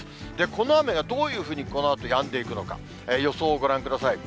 この雨がどういうふうにこのあとやんでいくのか、予想をご覧ください。